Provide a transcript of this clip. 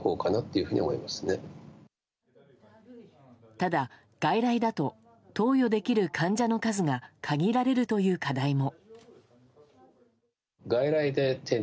ただ、外来だと投与できる患者の数が限られるという課題も。